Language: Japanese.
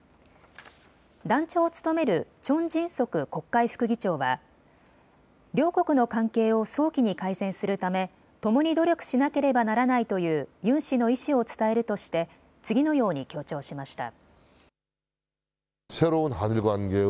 団長を務めるチョン・ジンソク国会副議長は両国の関係を早期に改善するためともに努力しなければならないというユン氏の意思を伝えるとして次のように強調しました。